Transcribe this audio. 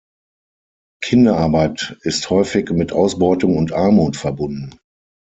Kinderarbeit ist häufig mit Ausbeutung und Armut verbunden.